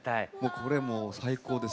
これもう最高です。